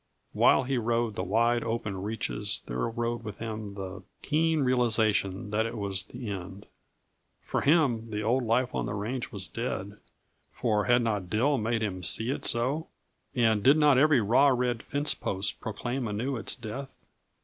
While he rode the wide open reaches, there rode with him the keen realization that it was the end. For him the old life on the range was dead for had not Dill made him see it so? And did not every raw red fencepost proclaim anew its death?